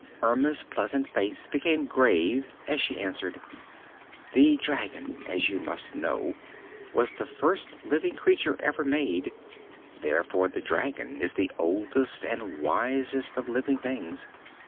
Erma's pleasant face became grave as she answered: "The Dragon, as you must know, was the first living creature ever made; therefore the Dragon is the oldest and wisest of living things.